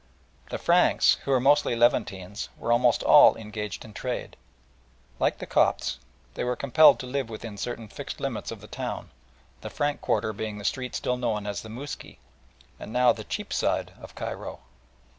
The Franks, who were mostly Levantines, were almost all engaged in trade. Like the Copts they were compelled to live within certain fixed limits of the town, the Frank quarter being the street still known as the Mousky, and now the "Cheapside" of Cairo.